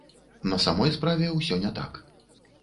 На самой справе, ўсё не так.